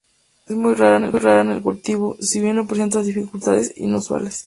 Es muy rara en el cultivo, si bien no presenta dificultades inusuales.